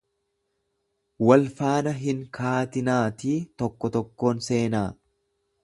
Wal faana hin kaatinaatii tokko tokkoon seenaa.